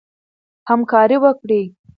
همکاري وکړئ.